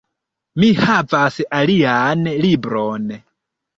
Mi havas alian libron